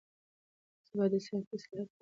تاسي باید د ساینسي اصطلاحاتو مانا زده کړئ.